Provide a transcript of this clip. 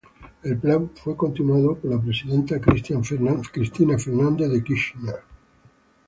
El Plan fue continuado por la presidenta Cristina Fernández de Kirchner.